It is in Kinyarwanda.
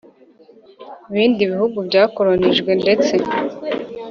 Bindi bihugu byakoronijwe ndetse